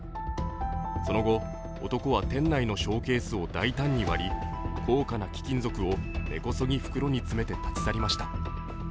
その後、男は店内のショーケースを大胆に割り、高価な貴金属を根こそぎ袋に詰めて立ち去りました。